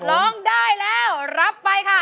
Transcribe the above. ร้องได้แล้วรับไปค่ะ